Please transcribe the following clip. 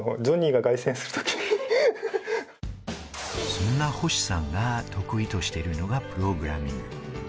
そんな星さんが得意としているのがプログラミング。